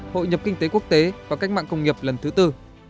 hội nhập kinh tế quốc tế và cách mạng công nghiệp lần thứ tư